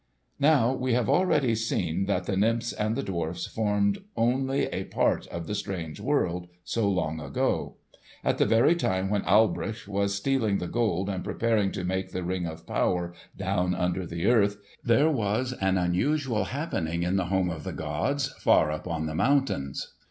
Now we have already seen that the nymphs and the dwarfs formed only a part of the strange world, so long ago. At the very time when Alberich was stealing the Gold and preparing to make the Ring of Power down under the earth, there was an unusual happening in the home of the gods far up on the mountains.